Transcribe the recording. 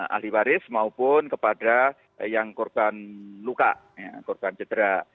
ahli waris maupun kepada yang korban luka korban cedera